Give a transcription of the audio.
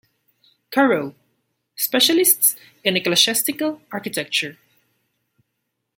Caroe, specialists in ecclesiastical architecture.